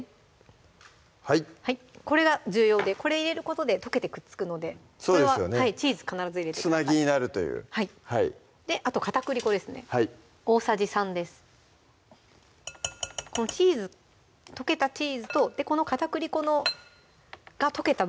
はいこれが重要でこれ入れることで溶けてくっつくのでこれはチーズ必ず入れてつなぎになるというであと片栗粉ですねはい大さじ３ですこの溶けたチーズとこの片栗粉が溶けた部分